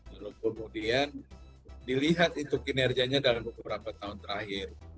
lalu kemudian dilihat itu kinerjanya dalam beberapa tahun terakhir